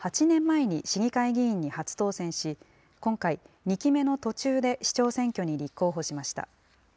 ８年前に市議会議員に初当選し、今回、２期目の途中で市長選挙に立候補しました。